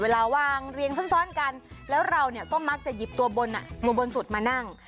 เวลาวางเรียงซ้อนกันแล้วเราก็มักจะหยิบตัวบนตัวบนสุดมานั่ง